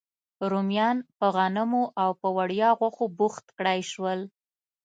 رومیان په غنمو او په وړیا غوښو بوخت کړای شول.